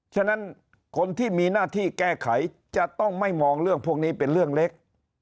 ฉะนั้นคนที่มีหน้าที่แก้ไขจะต้องไม่มองเรื่องพวกนี้เป็นเรื่องเล็ก